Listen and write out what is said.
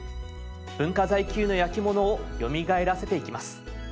文化財級の焼き物をよみがえらせていきます。